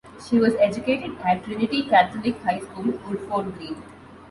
She was educated at Trinity Catholic High School, Woodford Green.